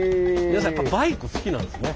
皆さんやっぱバイク好きなんですね！